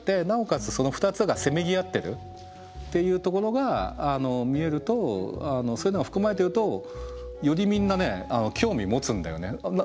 その２つがせめぎ合ってるっていうところが見えるとそういうのが含まれているとよりみんなね興味持つんだよね。